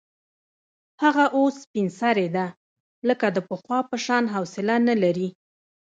هغه اوس سپین سرې ده، لکه د پخوا په شان حوصله نه لري.